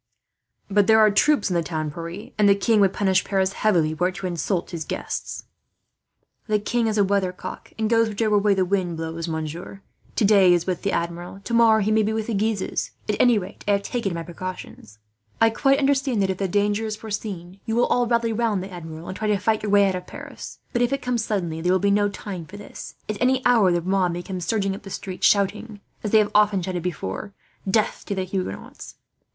"But there are troops in the town, Pierre, and the king would punish Paris heavily, were it to insult his guests." "The king is a weathercock, and goes whichever way the wind blows, monsieur today he is with the Admiral, tomorrow he may be with the Guises. "At any rate, I have taken my precautions. I quite understand that, if the danger is foreseen, you will all rally round the Admiral and try to fight your way out of Paris. But if it comes suddenly there will be no time for this. At any hour the mob may come surging up the streets, shouting, as they have often shouted before, 'Death to the Huguenots!'